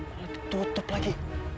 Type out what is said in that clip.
malah ditutup lagi